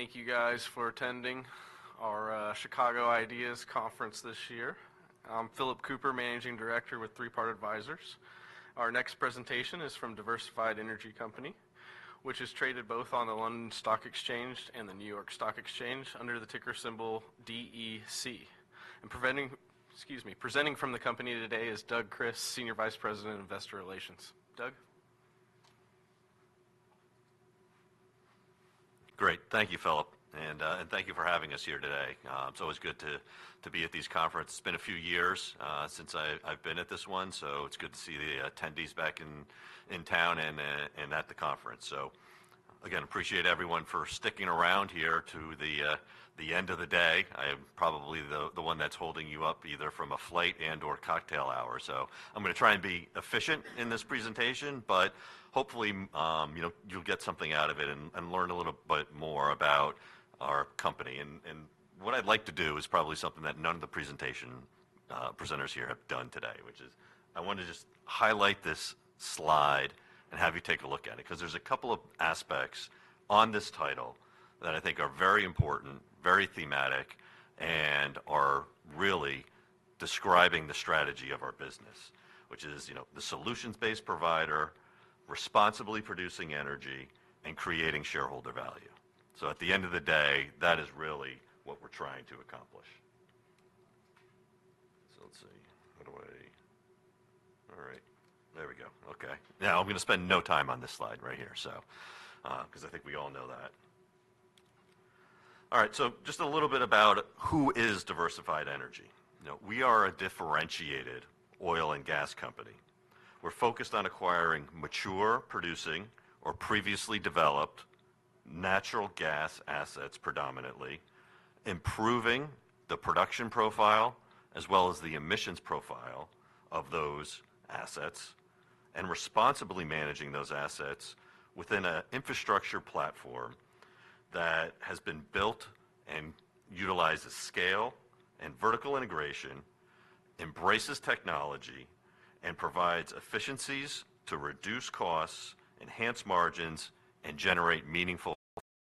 Thank you guys for attending our Chicago Ideas Conference this year. I'm Phillip Cooper, Managing Director with Three Part Advisors. Our next presentation is from Diversified Energy Company, which is traded both on the London Stock Exchange and the New York Stock Exchange under the ticker symbol DEC, and presenting from the company today is Doug Kris, Senior Vice President of Investor Relations. Doug? Great. Thank you, Phillip, and thank you for having us here today. It's always good to be at these conferences. It's been a few years since I've been at this one, so it's good to see the attendees back in town and at the conference. So again, appreciate everyone for sticking around here to the end of the day. I am probably the one that's holding you up, either from a flight and/or cocktail hour, so I'm gonna try and be efficient in this presentation, but hopefully, you know, you'll get something out of it and learn a little bit more about our company. What I'd like to do is probably something that none of the presentation presenters here have done today, which is I want to just highlight this slide and have you take a look at it, 'cause there's a couple of aspects on this title that I think are very important, very thematic, and are really describing the strategy of our business, which is, you know, the solutions-based provider, responsibly producing energy, and creating shareholder value. So at the end of the day, that is really what we're trying to accomplish. So let's see. How do I... All right, there we go. Okay. Now, I'm gonna spend no time on this slide right here, so, 'cause I think we all know that. All right, so just a little bit about who is Diversified Energy. You know, we are a differentiated oil and gas company. We're focused on acquiring mature, producing or previously developed natural gas assets predominantly, improving the production profile, as well as the emissions profile of those assets, and responsibly managing those assets within an infrastructure platform that has been built and utilizes scale and vertical integration, embraces technology, and provides efficiencies to reduce costs, enhance margins, and generate meaningful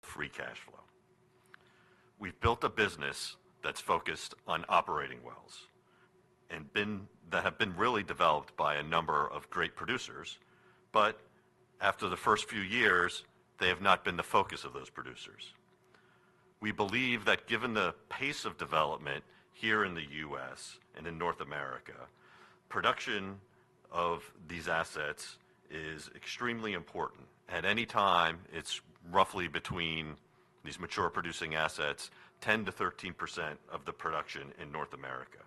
free cash flow. We've built a business that's focused on operating wells that have been really developed by a number of great producers, but after the first few years, they have not been the focus of those producers. We believe that given the pace of development here in the U.S. and in North America, production of these assets is extremely important. At any time, it's roughly between these mature producing assets, 10%-13% of the production in North America.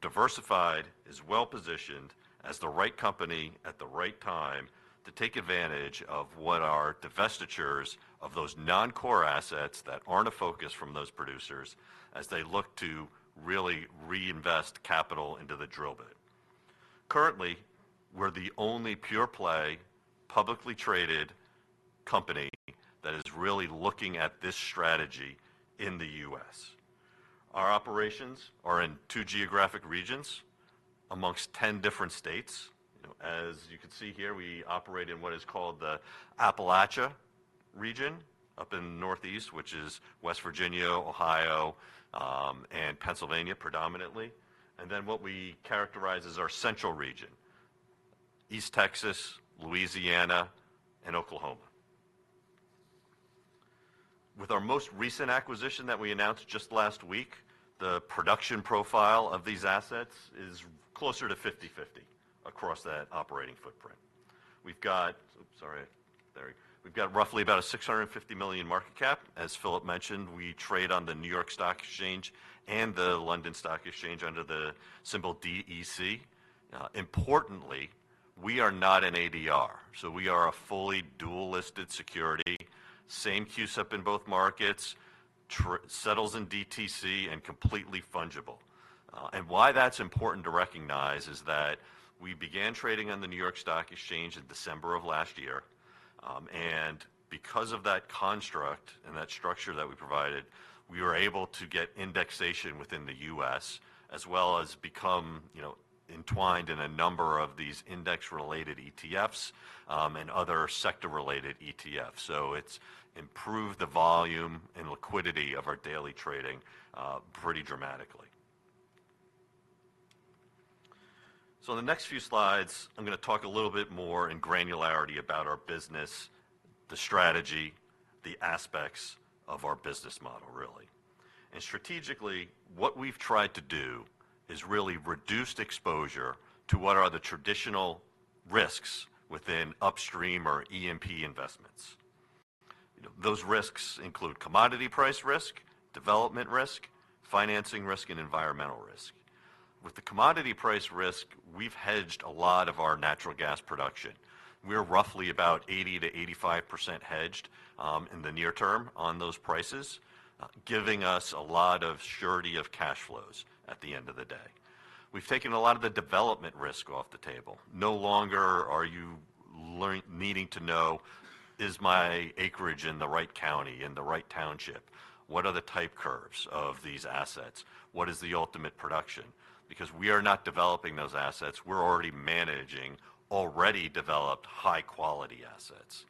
Diversified is well-positioned as the right company at the right time to take advantage of what are divestitures of those non-core assets that aren't a focus from those producers as they look to really reinvest capital into the drill bit. Currently, we're the only pure-play, publicly traded company that is really looking at this strategy in the U.S. Our operations are in two geographic regions amongst ten different states. You know, as you can see here, we operate in what is called the Appalachia Region up in the Northeast, which is West Virginia, Ohio, and Pennsylvania, predominantly. And then what we characterize as our Central Region, East Texas, Louisiana, and Oklahoma. With our most recent acquisition that we announced just last week, the production profile of these assets is closer to fifty-fifty across that operating footprint. We've got roughly about a $650 million market cap. As Philip mentioned, we trade on the New York Stock Exchange and the London Stock Exchange under the symbol DEC. Importantly, we are not an ADR, so we are a fully dual-listed security. Same CUSIP in both markets, settles in DTC and completely fungible, and why that's important to recognize is that we began trading on the New York Stock Exchange in December of last year, and because of that construct and that structure that we provided, we were able to get indexation within the U.S., as well as become, you know, entwined in a number of these index-related ETFs, and other sector-related ETFs. So it's improved the volume and liquidity of our daily trading, pretty dramatically. In the next few slides, I'm gonna talk a little bit more in granularity about our business, the strategy, the aspects of our business model, really. And strategically, what we've tried to do is really reduced exposure to what are the traditional risks within upstream or E&P investments. Those risks include commodity price risk, development risk, financing risk, and environmental risk. With the commodity price risk, we've hedged a lot of our natural gas production. We're roughly about 80%-85% hedged in the near term on those prices, giving us a lot of surety of cash flows at the end of the day. We've taken a lot of the development risk off the table. No longer are you needing to know, "Is my acreage in the right county, in the right township? What are the type curves of these assets? What is the ultimate production?" Because we are not developing those assets, we're already managing already developed, high-quality assets.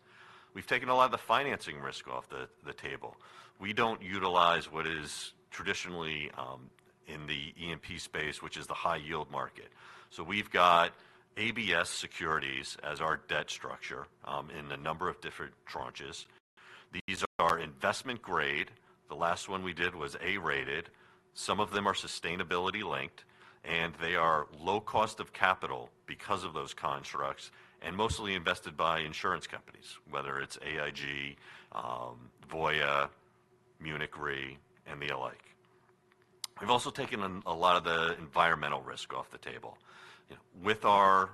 We've taken a lot of the financing risk off the table. We don't utilize what is traditionally in the E&P space, which is the high yield market. So we've got ABS securities as our debt structure in a number of different tranches. These are investment grade. The last one we did was A-rated. Some of them are sustainability linked, and they are low cost of capital because of those constructs, and mostly invested by insurance companies, whether it's AIG, Voya, Munich Re, and the like. We've also taken a lot of the environmental risk off the table. With our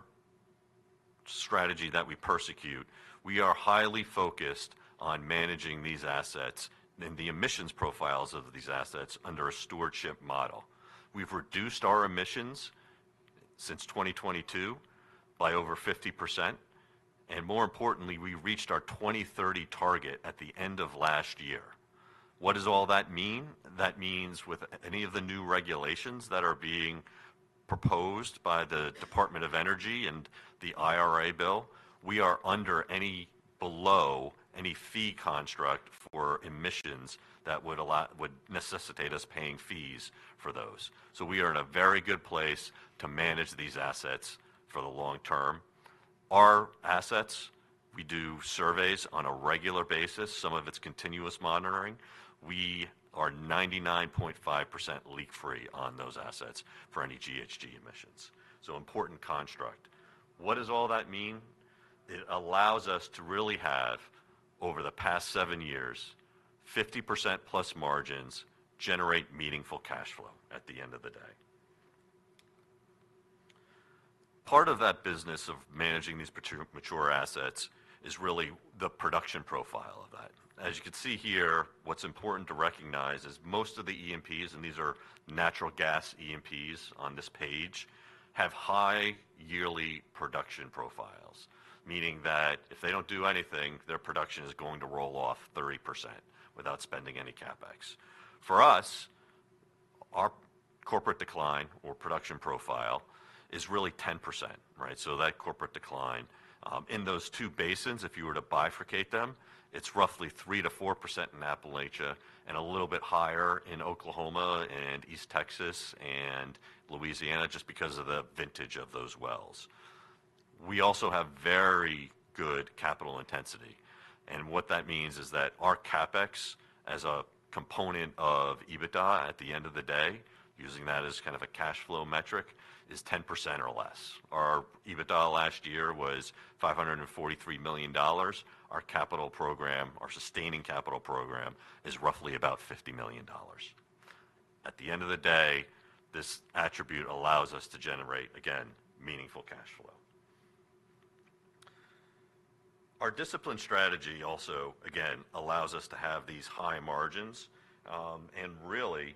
strategy that we pursue, we are highly focused on managing these assets and the emissions profiles of these assets under a stewardship model. We've reduced our emissions since 2022 by over 50%, and more importantly, we reached our 2030 target at the end of last year. What does all that mean? That means with any of the new regulations that are being proposed by the Department of Energy and the IRA bill, we are below any fee construct for emissions that would necessitate us paying fees for those. So we are in a very good place to manage these assets for the long term. Our assets, we do surveys on a regular basis. Some of it's continuous monitoring. We are 99.5% leak-free on those assets for any GHG emissions. So important construct. What does all that mean? It allows us to really have, over the past seven years, 50% plus margins generate meaningful cash flow at the end of the day. Part of that business of managing these mature assets is really the production profile of that. As you can see here, what's important to recognize is most of the E&Ps, and these are natural gas E&Ps on this page, have high yearly production profiles, meaning that if they don't do anything, their production is going to roll off 30% without spending any CapEx. For us, our corporate decline or production profile is really 10%, right? So that corporate decline in those two basins, if you were to bifurcate them, it's roughly 3%-4% in Appalachia and a little bit higher in Oklahoma and East Texas and Louisiana, just because of the vintage of those wells. We also have very good capital intensity. And what that means is that our CapEx as a component of EBITDA at the end of the day, using that as kind of a cash flow metric, is 10% or less. Our EBITDA last year was $543 million. Our capital program, our sustaining capital program, is roughly about $50 million. At the end of the day, this attribute allows us to generate, again, meaningful cash flow. Our discipline strategy also, again, allows us to have these high margins, and really,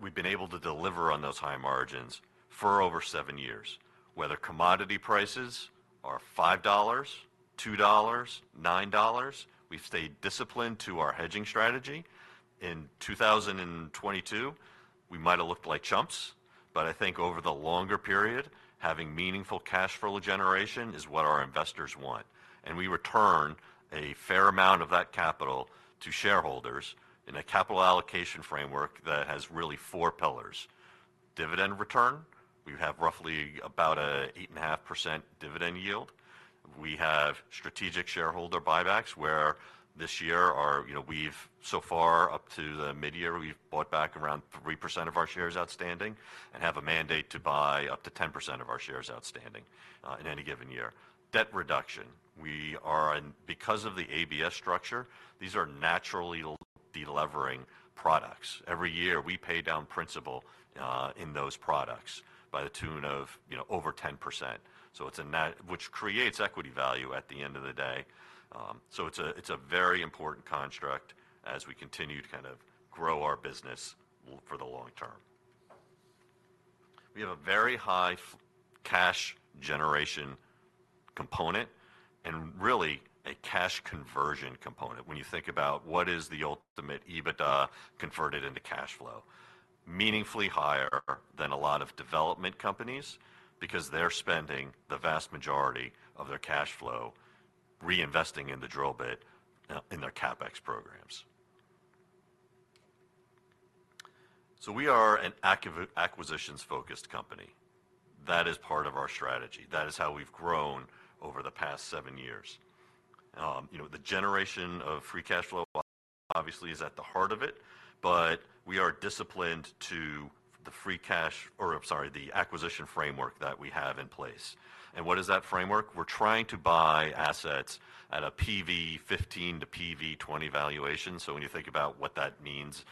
we've been able to deliver on those high margins for over seven years. Whether commodity prices are $5, $2, $9, we've stayed disciplined to our hedging strategy. In 2022, we might have looked like chumps, but I think over the longer period, having meaningful cash flow generation is what our investors want. We return a fair amount of that capital to shareholders in a capital allocation framework that has really four pillars. Dividend return, we have roughly about 8.5% dividend yield. We have strategic shareholder buybacks, where this year our you know, we've so far up to the midyear, we've bought back around 3% of our shares outstanding and have a mandate to buy up to 10% of our shares outstanding in any given year. Debt reduction, we are in because of the ABS structure, these are naturally de-levering products. Every year, we pay down principal in those products to the tune of, you know, over 10%. So it's a which creates equity value at the end of the day. It's a very important construct as we continue to kind of grow our business for the long term. We have a very high cash generation component and really a cash conversion component. When you think about what is the ultimate EBITDA converted into cash flow, meaningfully higher than a lot of development companies because they're spending the vast majority of their cash flow reinvesting in the drill bit in their CapEx programs. We are an acquisitions-focused company. That is part of our strategy. That is how we've grown over the past seven years. You know, the generation of free cash flow obviously is at the heart of it, but we are disciplined to the free cash, or I'm sorry, the acquisition framework that we have in place. What is that framework? We're trying to buy assets at a PV15 to PV20 valuation. So when you think about what that means,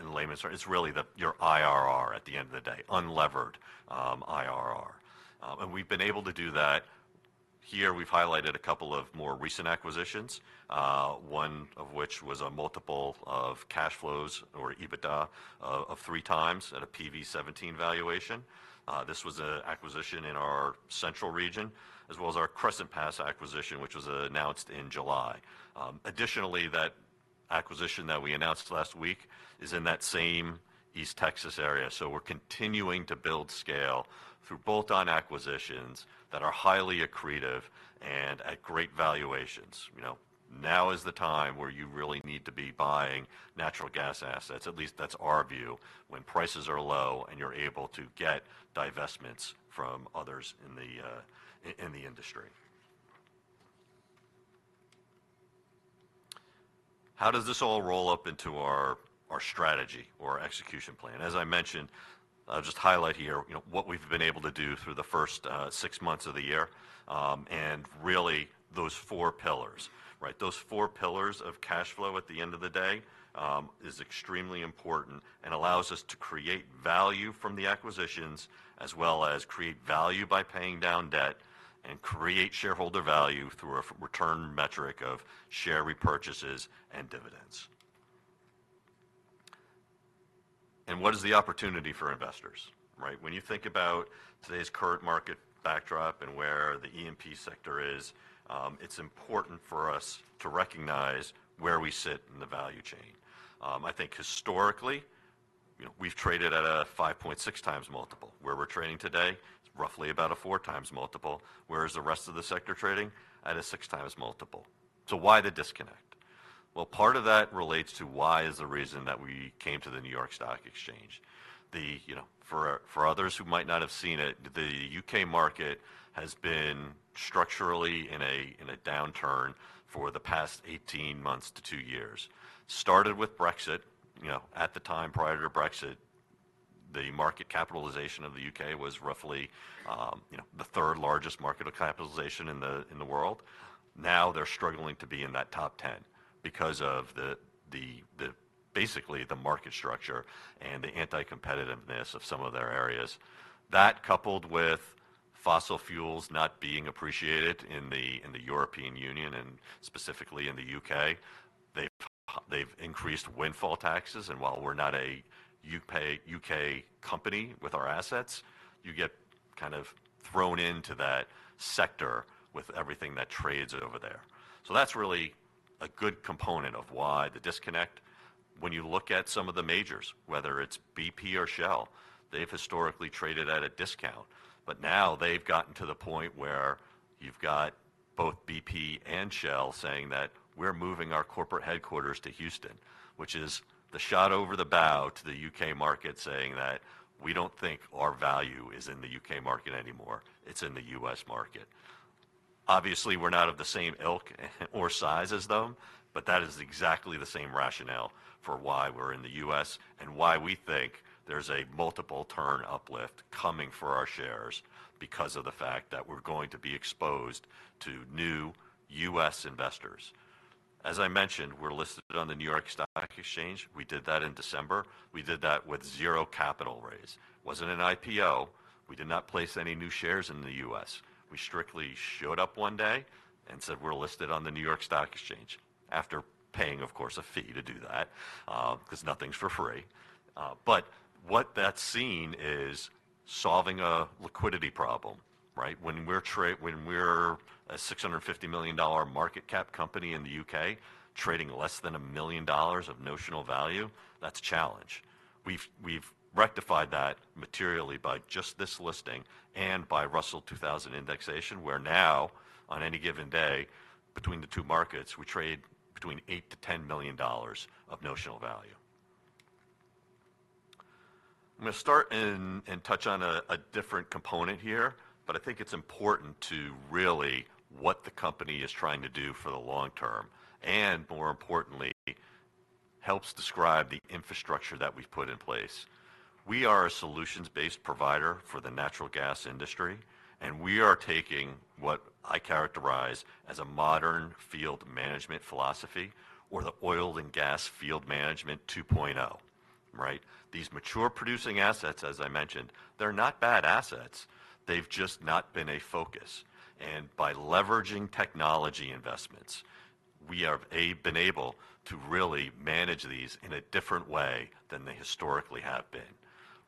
in layman's terms, it's really the, your IRR at the end of the day, unlevered, IRR. And we've been able to do that. Here, we've highlighted a couple of more recent acquisitions, one of which was a multiple of cash flows or EBITDA, of three times at a PV17 valuation. This was an acquisition in our Central Region, as well as our Crescent Pass acquisition, which was announced in July. Additionally, that acquisition that we announced last week is in that same East Texas area. So we're continuing to build scale through bolt-on acquisitions that are highly accretive and at great valuations. You know, now is the time where you really need to be buying natural gas assets, at least that's our view, when prices are low, and you're able to get divestments from others in the industry. How does this all roll up into our strategy or our execution plan? As I mentioned, I'll just highlight here, you know, what we've been able to do through the first six months of the year, and really, those four pillars. Right, those four pillars of cash flow at the end of the day is extremely important and allows us to create value from the acquisitions, as well as create value by paying down debt, and create shareholder value through a return metric of share repurchases and dividends. What is the opportunity for investors? Right, when you think about today's current market backdrop and where the E&P sector is, it's important for us to recognize where we sit in the value chain. I think historically, you know, we've traded at a 5.6 times multiple. Where we're trading today, it's roughly about a 4 times multiple, whereas the rest of the sector trading at a 6 times multiple. So why the disconnect? Well, part of that relates to why is the reason that we came to the New York Stock Exchange. You know, for others who might not have seen it, the U.K. market has been structurally in a downturn for the past 18 months to two years. Started with Brexit. You know, at the time, prior to Brexit, the market capitalization of the U.K. was roughly, you know, the third largest market of capitalization in the world. Now, they're struggling to be in that top ten because of the basically, the market structure and the anti-competitiveness of some of their areas. That, coupled with fossil fuels not being appreciated in the European Union and specifically in the U.K., they've increased windfall taxes, and while we're not a U.K. company with our assets, you get kind of thrown into that sector with everything that trades over there. So that's really a good component of why the disconnect. When you look at some of the majors, whether it's BP or Shell, they've historically traded at a discount. But now they've gotten to the point where you've got both BP and Shell saying that, "We're moving our corporate headquarters to Houston," which is the shot over the bow to the U.K. market, saying that, "We don't think our value is in the U.K. market anymore. It's in the U.S. market." Obviously, we're not of the same ilk or size as them, but that is exactly the same rationale for why we're in the U.S., and why we think there's a multiple turn uplift coming for our shares, because of the fact that we're going to be exposed to new U.S. investors. As I mentioned, we're listed on the New York Stock Exchange. We did that in December. We did that with zero capital raise. Wasn't an IPO. We did not place any new shares in the U.S. We strictly showed up one day and said, "We're listed on the New York Stock Exchange," after paying, of course, a fee to do that, 'cause nothing's for free. But what that's seen is solving a liquidity problem, right? When we're a $650 million market cap company in the U.K., trading less than $1 million of notional value, that's a challenge. We've rectified that materially by just this listing and by Russell 2000 indexation, where now, on any given day between the two markets, we trade between $8-$10 million of notional value. I'm gonna start and touch on a different component here, but I think it's important to really what the company is trying to do for the long term, and more importantly, helps describe the infrastructure that we've put in place. We are a solutions-based provider for the natural gas industry, and we are taking what I characterize as a modern field management philosophy or the oil and gas Field Management 2.0, right? These mature producing assets, as I mentioned, they're not bad assets. They've just not been a focus, and by leveraging technology investments, we have been able to really manage these in a different way than they historically have been.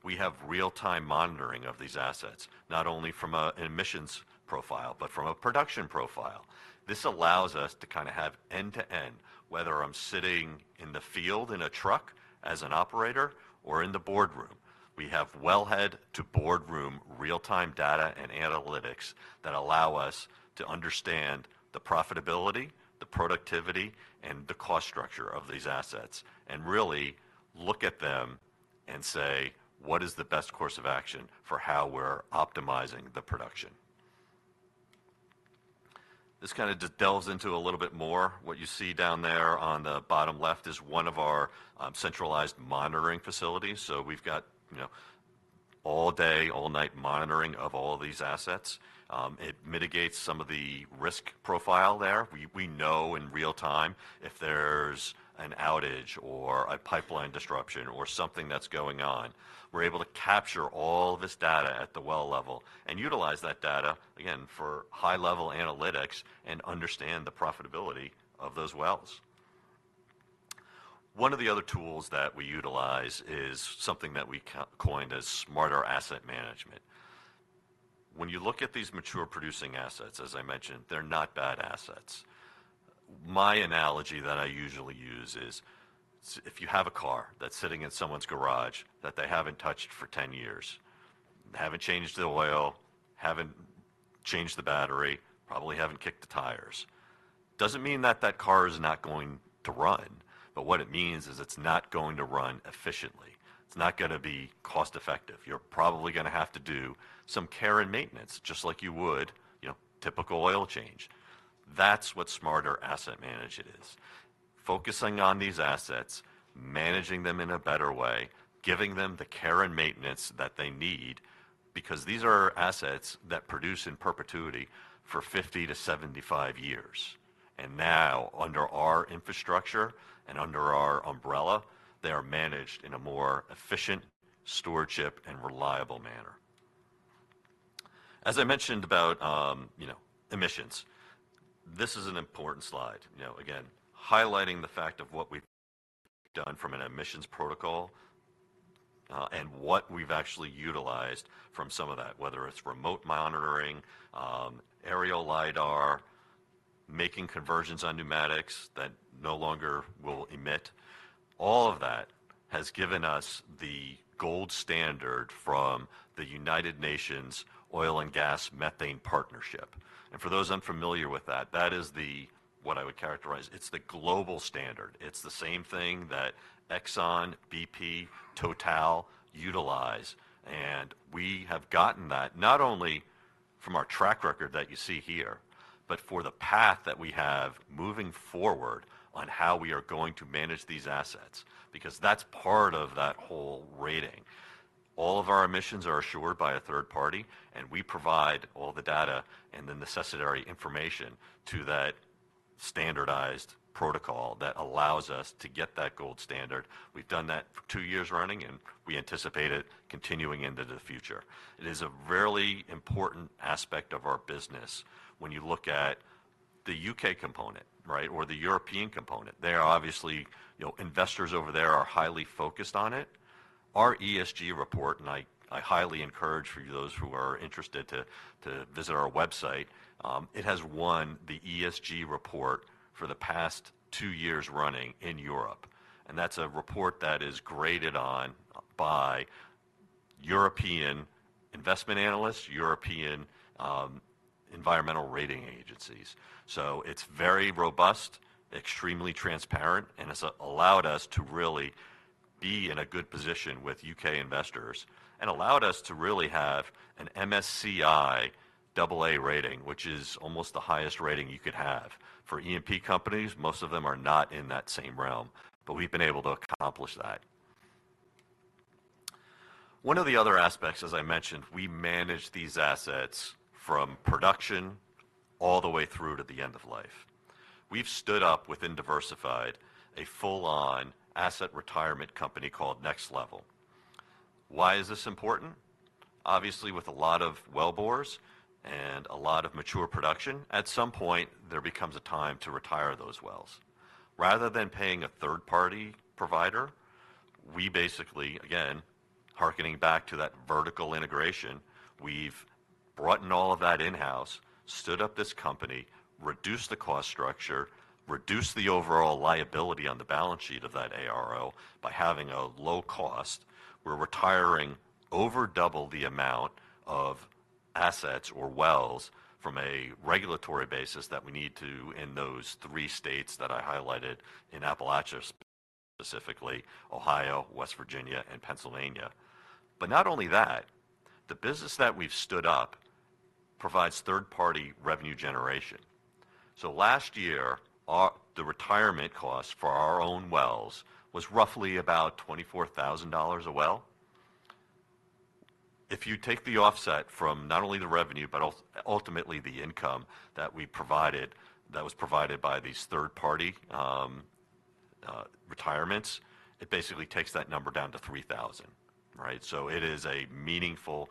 We have real-time monitoring of these assets, not only from an emissions profile, but from a production profile. This allows us to kinda have end-to-end, whether I'm sitting in the field in a truck as an operator or in the boardroom. We have wellhead to boardroom real-time data and analytics that allow us to understand the profitability, the productivity, and the cost structure of these assets, and really look at them and say, "What is the best course of action for how we're optimizing the production?" This kind of just delves into a little bit more. What you see down there on the bottom left is one of our centralized monitoring facilities. So we've got, you know, all-day, all-night monitoring of all these assets. It mitigates some of the risk profile there. We know in real time if there's an outage or a pipeline disruption or something that's going on. We're able to capture all this data at the well level and utilize that data, again, for high-level analytics and understand the profitability of those wells. One of the other tools that we utilize is something that we coined as Smarter Asset Management. When you look at these mature producing assets, as I mentioned, they're not bad assets. My analogy that I usually use is if you have a car that's sitting in someone's garage that they haven't touched for ten years, haven't changed the oil, haven't changed the battery, probably haven't kicked the tires, doesn't mean that that car is not going to run, but what it means is it's not going to run efficiently. It's not gonna be cost-effective. You're probably gonna have to do some care and maintenance, just like you would, you know, typical oil change. That's what Smarter Asset Management is, focusing on these assets, managing them in a better way, giving them the care and maintenance that they need, because these are assets that produce in perpetuity for 50-75 years. And now, under our infrastructure and under our umbrella, they are managed in a more efficient, stewardship, and reliable manner. As I mentioned about, you know, emissions, this is an important slide, you know, again, highlighting the fact of what we've done from an emissions protocol, and what we've actually utilized from some of that, whether it's remote monitoring, aerial Lidar, making conversions on pneumatics that no longer will emit. All of that has given us the gold standard from the United Nations Oil and Gas Methane Partnership. And for those unfamiliar with that, that is the... what I would characterize, it's the global standard. It's the same thing that Exxon, BP, TotalEnergies utilize, and we have gotten that not only from our track record that you see here, but for the path that we have moving forward on how we are going to manage these assets, because that's part of that whole rating. All of our emissions are assured by a third party, and we provide all the data and the necessary information to that standardized protocol that allows us to get that gold standard. We've done that for two years running, and we anticipate it continuing into the future. It is a really important aspect of our business when you look at the U.K. component, right? Or the European component. They are obviously, you know, investors over there are highly focused on it. Our ESG report, and I highly encourage for those who are interested to visit our website. It has won the ESG report for the past two years running in Europe, and that's a report that is graded on by European investment analysts, European environmental rating agencies. So it's very robust, extremely transparent, and it's allowed us to really be in a good position with U.K. investors and allowed us to really have an MSCI AA rating, which is almost the highest rating you could have. For E&P companies, most of them are not in that same realm, but we've been able to accomplish that. One of the other aspects, as I mentioned, we manage these assets from production all the way through to the end of life. We've stood up within Diversified a full-on asset retirement company called Next LVL. Why is this important? Obviously, with a lot of wellbores and a lot of mature production, at some point, there becomes a time to retire those wells. Rather than paying a third-party provider, we basically, again, hearkening back to that vertical integration, we've brought in all of that in-house, stood up this company, reduced the cost structure, reduced the overall liability on the balance sheet of that ARO by having a low cost. We're retiring over double the amount of assets or wells from a regulatory basis that we need to in those three states that I highlighted in Appalachia, specifically, Ohio, West Virginia, and Pennsylvania. But not only that, the business that we've stood up provides third-party revenue generation. So last year, the retirement cost for our own wells was roughly about $24,000 a well. If you take the offset from not only the revenue, but ultimately the income that we provided, that was provided by these third-party retirements, it basically takes that number down to three thousand, right? So it is a meaningful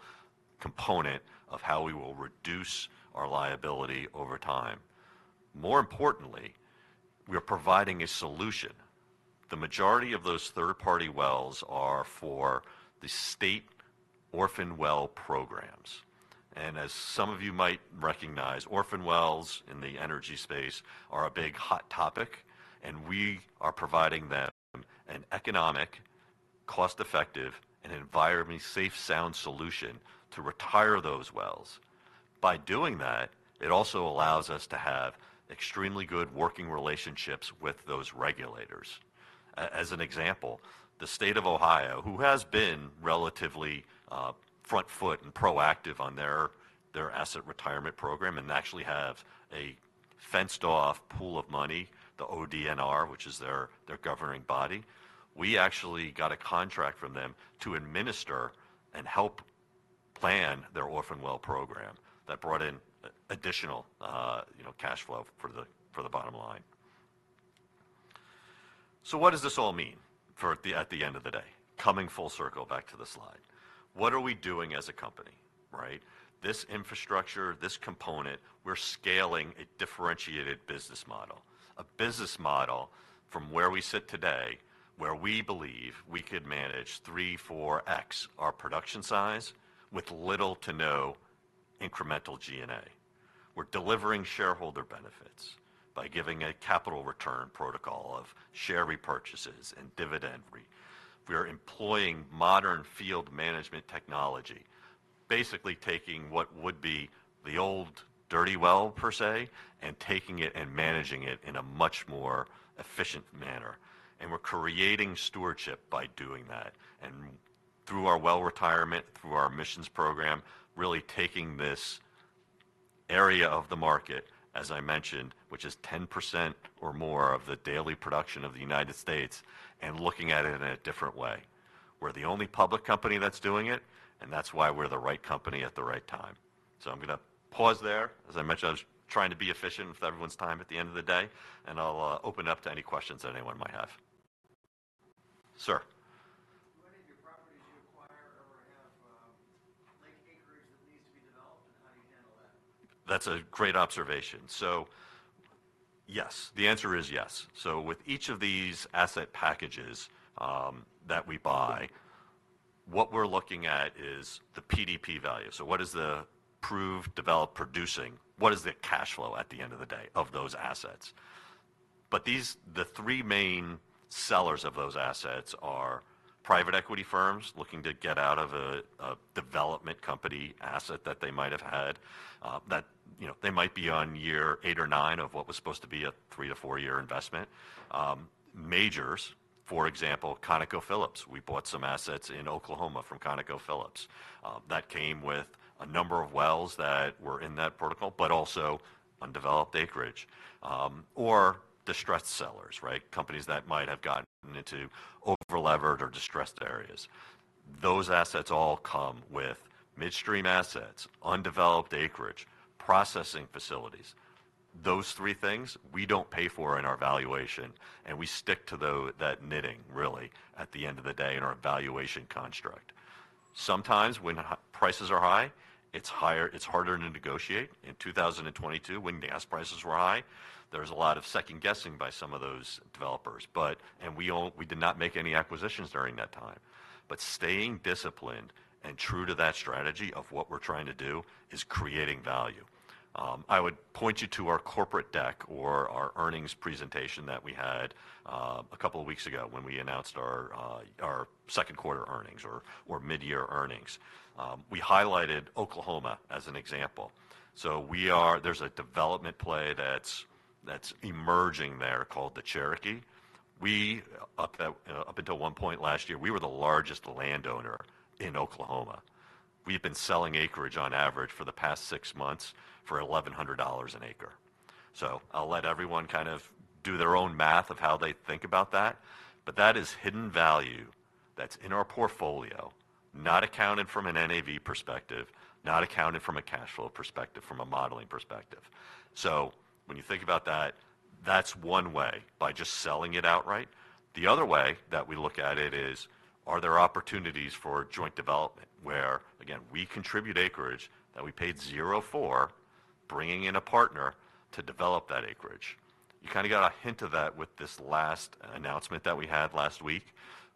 component of how we will reduce our liability over time. More importantly, we are providing a solution. The majority of those third-party wells are for the state orphan well programs, and as some of you might recognize, orphan wells in the energy space are a big hot topic, and we are providing them an economic, cost-effective, and environmentally safe, sound solution to retire those wells. By doing that, it also allows us to have extremely good working relationships with those regulators. As an example, the state of Ohio, who has been relatively front foot and proactive on their asset retirement program and actually have a fenced-off pool of money, the ODNR, which is their governing body, we actually got a contract from them to administer and help plan their orphan well program. That brought in additional, you know, cash flow for the bottom line. So what does this all mean for at the end of the day? Coming full circle back to the slide. What are we doing as a company, right? This infrastructure, this component, we're scaling a differentiated business model, a business model from where we sit today where we believe we could manage three, four X our production size with little to no incremental G&A. We're delivering shareholder benefits by giving a capital return protocol of share repurchases and dividend re. We are employing modern field management technology, basically taking what would be the old dirty well, per se, and taking it and managing it in a much more efficient manner, and we're creating stewardship by doing that, and through our well retirement, through our emissions program, really taking this area of the market, as I mentioned, which is 10% or more of the daily production of the United States, and looking at it in a different way. We're the only public company that's doing it, and that's why we're the right company at the right time. So I'm gonna pause there. As I mentioned, I was trying to be efficient with everyone's time at the end of the day, and I'll open up to any questions that anyone might have. Sir? Do any of your properties you acquire ever have lake acreage that needs to be developed, and how do you handle that? That's a great observation. So, yes, the answer is yes. So with each of these asset packages, that we buy, what we're looking at is the PDP value. So what is the proved developed producing? What is the cash flow at the end of the day of those assets? But these, the three main sellers of those assets are private equity firms looking to get out of a, a development company asset that they might have had, that, you know, they might be on year eight or nine of what was supposed to be a three-to-four-year investment. Majors, for example, ConocoPhillips, we bought some assets in Oklahoma from ConocoPhillips. That came with a number of wells that were in that protocol, but also undeveloped acreage. Or distressed sellers, right? Companies that might have gotten into over-levered or distressed areas. Those assets all come with midstream assets, undeveloped acreage, processing facilities. Those three things we don't pay for in our valuation, and we stick to that knitting, really, at the end of the day in our valuation construct. Sometimes when prices are high, it's higher, it's harder to negotiate. In two thousand and twenty-two, when gas prices were high, there was a lot of second-guessing by some of those developers. But we did not make any acquisitions during that time. But staying disciplined and true to that strategy of what we're trying to do, is creating value. I would point you to our corporate deck or our earnings presentation that we had, a couple of weeks ago when we announced our second quarter earnings or mid-year earnings. We highlighted Oklahoma as an example. So we are. There's a development play that's emerging there called the Cherokee. We up until one point last year were the largest landowner in Oklahoma. We've been selling acreage on average for the past six months for $1,100 an acre. So I'll let everyone kind of do their own math of how they think about that, but that is hidden value that's in our portfolio, not accounted from an NAV perspective, not accounted from a cash flow perspective, from a modeling perspective. So when you think about that, that's one way, by just selling it outright. The other way that we look at it is, are there opportunities for joint development, where, again, we contribute acreage that we paid zero for, bringing in a partner to develop that acreage? You kind of got a hint of that with this last announcement that we had last week.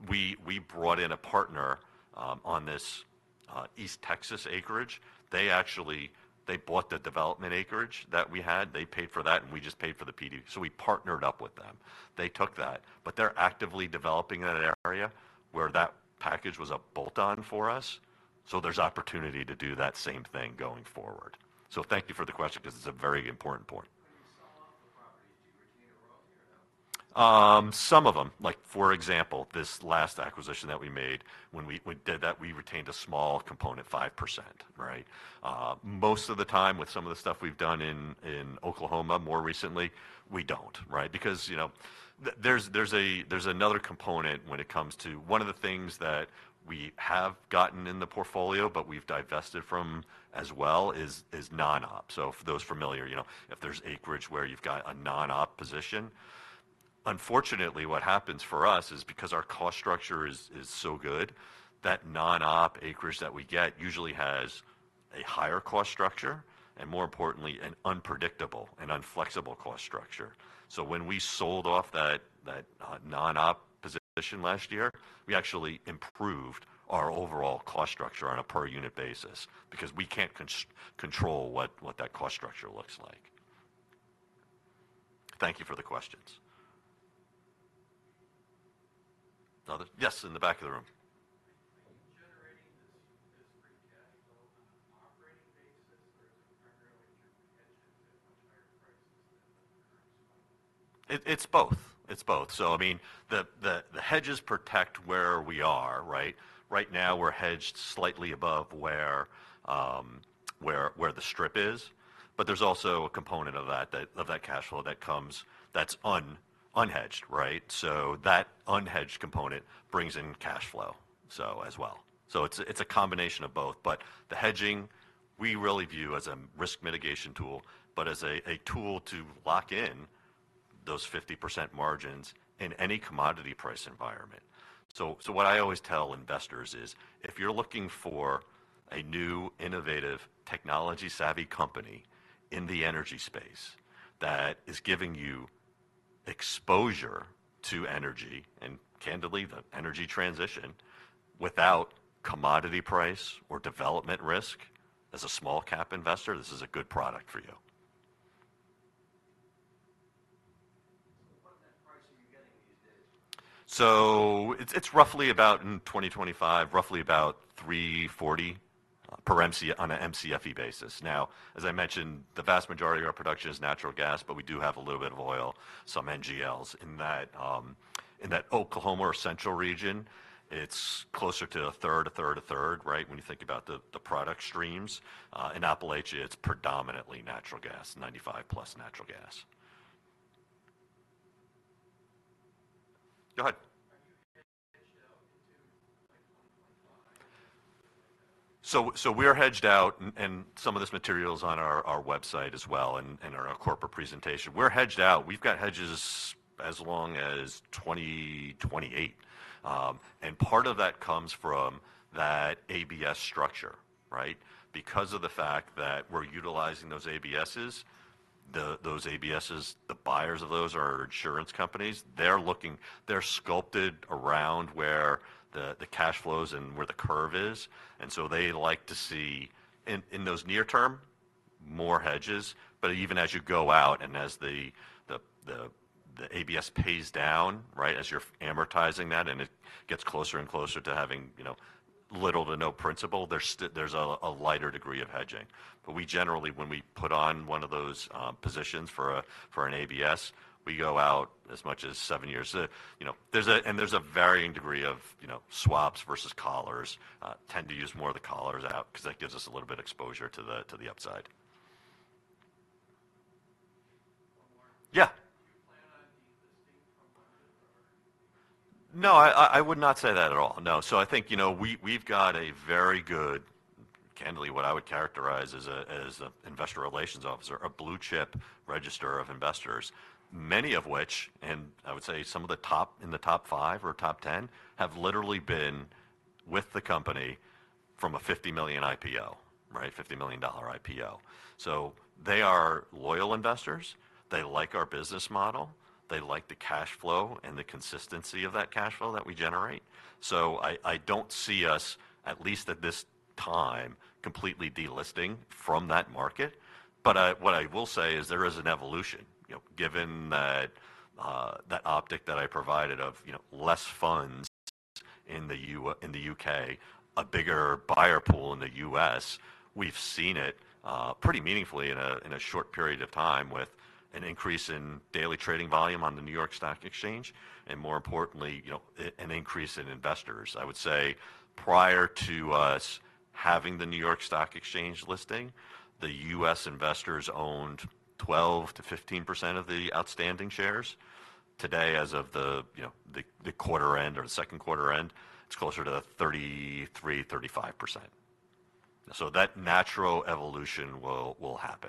We brought in a partner on this East Texas acreage. They actually bought the development acreage that we had. They paid for that, and we just paid for the PD. So we partnered up with them. They took that, but they're actively developing that area where that package was a bolt-on for us, so there's opportunity to do that same thing going forward. So thank you for the question because it's a very important point. When you sell off the properties, do you retain a royalty or no? Some of them, like for example, this last acquisition that we made, when we did that, we retained a small component, 5%, right? Most of the time, with some of the stuff we've done in Oklahoma more recently, we don't, right? Because, you know, there's another component when it comes to, one of the things that we have gotten in the portfolio, but we've divested from as well, is non-op. So for those familiar, you know, if there's acreage where you've got a non-op position, unfortunately, what happens for us is because our cost structure is so good, that non-op acreage that we get usually has a higher cost structure, and more importantly, an unpredictable and inflexible cost structure. So when we sold off that non-op position last year, we actually improved our overall cost structure on a per-unit basis because we can't control what that cost structure looks like. Thank you for the questions. Another? Yes, in the back of the room. Are you generating this free cash flow on an operating basis, or is it primarily through hedges at much higher prices than the current spot? It's both. So I mean, the hedges protect where we are, right? Right now, we're hedged slightly above where the strip is, but there's also a component of that cash flow that comes that's unhedged, right? So that unhedged component brings in cash flow as well. So it's a combination of both, but the hedging we really view as a risk mitigation tool, but as a tool to lock in those 50% margins in any commodity price environment. So what I always tell investors is, if you're looking for a new, innovative, technology-savvy company in the energy space, that is giving you exposure to energy, and candidly, the energy transition, without commodity price or development risk, as a small cap investor, this is a good product for you. So what's that price that you're getting these days? It's roughly about in 2025 $3.40 per MCF on a MCFE basis. Now, as I mentioned, the vast majority of our production is natural gas, but we do have a little bit of oil, some NGLs. In that Oklahoma or Central Region, it's closer to a third, a third, a third, right? When you think about the product streams. In Appalachia, it's predominantly natural gas, 95-plus natural gas. Go ahead. Are you hedged out into, like, 2025? We're hedged out, and some of this material is on our website as well, and in our corporate presentation. We're hedged out. We've got hedges as long as 2028. And part of that comes from that ABS structure, right? Because of the fact that we're utilizing those ABSs, the buyers of those are insurance companies. They're sculpted around where the cash flows and where the curve is, and so they like to see in those near term, more hedges. But even as you go out and as the ABS pays down, right, as you're amortizing that, and it gets closer and closer to having, you know, little to no principal, there's a lighter degree of hedging. But we generally, when we put on one of those positions for an ABS, we go out as much as seven years. You know, and there's a varying degree of, you know, swaps versus collars. Tend to use more of the collars out, 'cause that gives us a little bit exposure to the upside. One more? Yeah. Do you plan on divesting from London, or? No, I would not say that at all. No. So I think, you know, we, we've got a very good... candidly, what I would characterize as a, as a investor relations officer, a blue chip register of investors, many of which, and I would say some of the top, in the top five or top 10, have literally been with the company from a $50 million IPO, right? $50 million IPO. So they are loyal investors. They like our business model. They like the cash flow and the consistency of that cash flow that we generate. So I don't see us, at least at this time, completely delisting from that market. But I, what I will say is there is an evolution, you know, given that, that optic that I provided of, you know, less funds in the U.K., a bigger buyer pool in the U.S. We've seen it pretty meaningfully in a short period of time, with an increase in daily trading volume on the New York Stock Exchange, and more importantly, you know, an increase in investors. I would say prior to us having the New York Stock Exchange listing, the U.S. investors owned 12-15% of the outstanding shares. Today, as of the, you know, the quarter end or the second quarter end, it's closer to 33-35%. So that natural evolution will happen.